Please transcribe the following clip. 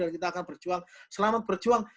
dan kita akan berjuang selamat berjuang